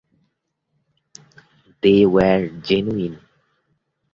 They were genuine.